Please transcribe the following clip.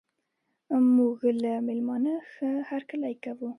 موږ له میلمانه ښه هرکلی کوو.